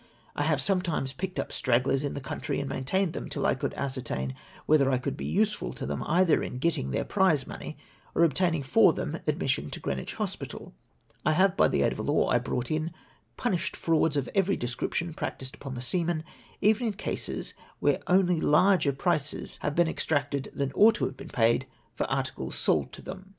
I have sometimes j^icked up stragglers in the country and maintained them till I could ascertain whether I could be useful to them, either in getting their prize money, or obtaining for them admission to Greenwich Hospital !... I have by the aid of a law I brought in, punished frauds of every descrip tion practised upon the seamen, even in cases where only larger prices have been exacted than ought to have been paid for articles sold to them.''